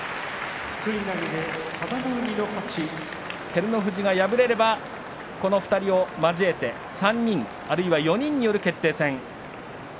照ノ富士が敗れればこの２人を交えて３人あるいは４人による決定戦。